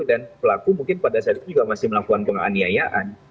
dan pelaku mungkin pada saat itu juga masih melakukan penganiayaan